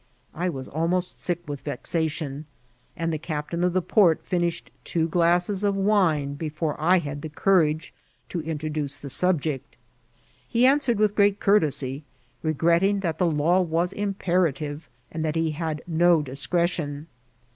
I v?as almost aiek with vexation, and the csqptain of the port finished two glasses of wine before I had courage to introduce the subject He answered with great courtesy,, regretting, that the law was imperative, and that he had no discretion.